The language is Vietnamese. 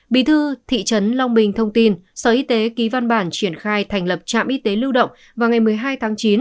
bí thư thị trấn long bình thông tin sở y tế ký văn bản triển khai thành lập trạm y tế lưu động vào ngày một mươi hai tháng chín